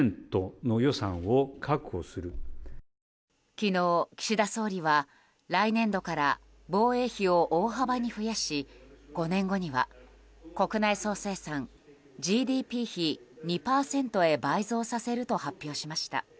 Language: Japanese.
昨日、岸田総理は来年度から防衛費を大幅に増やし５年後には国内総生産・ＧＤＰ比２％へ倍増させると発表しました。